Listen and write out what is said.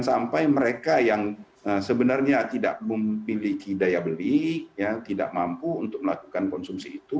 sampai mereka yang sebenarnya tidak memiliki daya beli tidak mampu untuk melakukan konsumsi itu